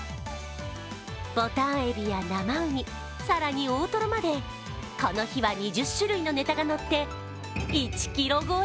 ボタンエビや生ウニ更に大トロまでこの日は２０種類のネタがのって１ｋｇ超え。